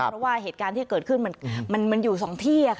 เพราะว่าเหตุการณ์ที่เกิดขึ้นมันอยู่๒ที่